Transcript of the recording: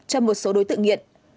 cho một số đối tượng nghiện